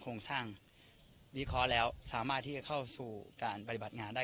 โครงสร้างวิเคราะห์แล้วสามารถที่จะเข้าสู่การปฏิบัติงานได้